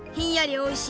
おいしい！